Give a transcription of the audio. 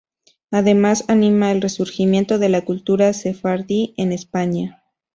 Además anima el resurgimiento de la cultura sefardí en España.